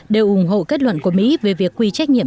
đều ủng hộ kết luận của mỹ về việc quy trách nhiệm